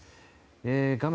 画面